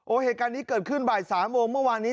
เหตุการณ์นี้เกิดขึ้นบ่าย๓โมงเมื่อวานนี้